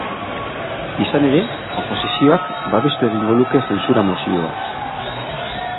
Izan ere, oposizioak babestu egingo luke zentsura-mozioa.